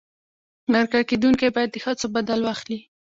مرکه کېدونکی باید د هڅو بدل واخلي.